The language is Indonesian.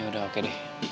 ya udah oke deh